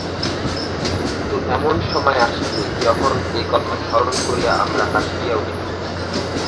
কিন্তু এমন সময় আসিবে, যখন এ কথা স্মরণ করিয়া আমরা হাসিয়া উঠিব।